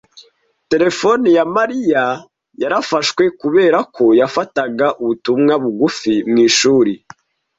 Terefone ya Mariya yarafashwe kubera ko yafataga ubutumwa bugufi mu ishuri.